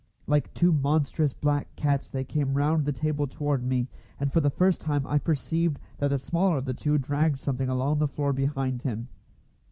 Like two monstrous black cats they came round the table toward me, and for the first time I perceived that the smaller of the two dragged something along the floor behind him.